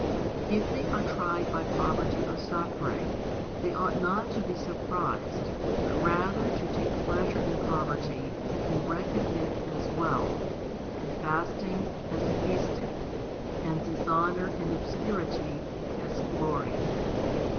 If they are tried by poverty or suffering, they ought not to be sur prised, but rather to take pleasure in poverty and reckon it as wealth, and fasting as feasting, and dishonour and obscurity as glory.